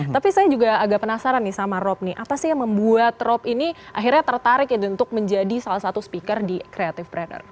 tapi saya juga agak penasaran nih sama rob nih apa sih yang membuat rob ini akhirnya tertarik untuk menjadi salah satu speaker di creative planner